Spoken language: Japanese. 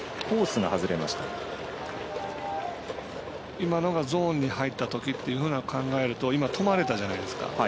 今のがゾーンに入ったときというふうに考えると今、止まれたじゃないですか。